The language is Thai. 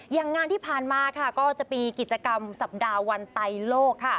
อย่างงานที่ผ่านมาก็จะมีกิจกรรมสัปดาห์วันไตรโลก